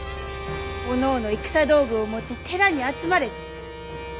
おのおの戦道具を持って寺に集まれと。